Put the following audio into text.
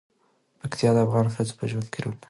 پکتیکا د افغان ښځو په ژوند کې رول لري.